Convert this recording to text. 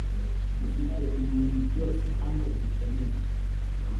Dufite ibintu byose hano dukeneye .